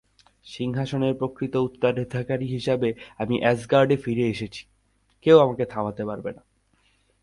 সিংহাসনের প্রকৃত উত্তরাধিকারী হিসাবে আমি অ্যাসগার্ডে ফিরে এসেছি, কেউ আমাকে থামাতে পারবে না।